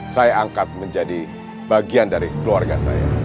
saya angkat menjadi bagian dari keluarga saya